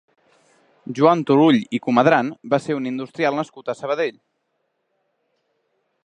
Joan Turull i Comadran va ser un industrial nascut a Sabadell.